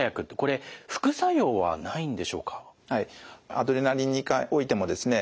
アドレナリンにおいてもですね